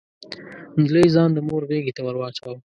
نجلۍ ځان د مور غيږې ته ور واچاوه.